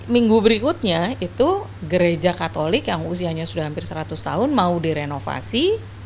minggu berikutnya itu gereja katolik yang usianya sudah hampir seratus tahun mau direnovasi